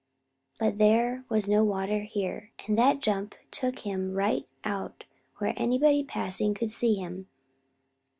But there was no water here, and that jump took him right out where anybody passing could see him.